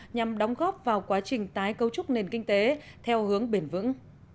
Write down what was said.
nhằm đóng góp vào quá trình tái cấu trúc nền kinh tế theo hướng bền vững